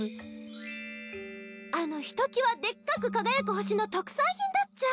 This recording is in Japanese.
あのひときわでっかく輝く星の特産品だっちゃ。